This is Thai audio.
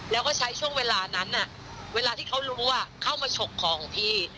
แล้วก็ใช้ช่วงเวลานั้นเวลาที่เขารู้ว่าเข้ามาฉกของของพี่